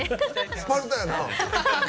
スパルタやな。